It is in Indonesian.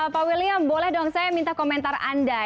pak william boleh dong saya minta komentar anda